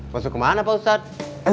masuk kemana pak ustadz